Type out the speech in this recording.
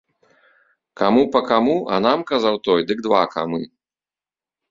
Каму па каму, а нам, казаў той, дык два камы.